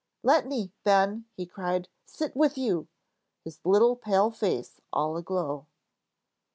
"Let me, Ben," he cried, "sit with you!" his little pale face all aglow.